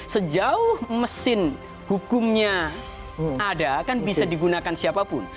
sejauh mesin hukumnya ada kan bisa digunakan siapapun